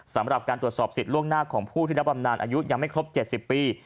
สำหรับการตรวจสอบสิทธิ์ล่วงหน้าของผู้ที่รับบำนานอายุยังไม่ครบ๗๐ปี